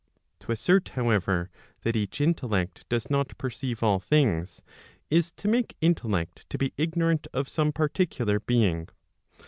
* To assert however, that each intellect does not perceive all things, is to make intellect to be ignorant of some particular being.